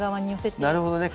なるほどね。